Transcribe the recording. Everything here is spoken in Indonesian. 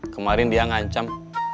kemarin dia ngancam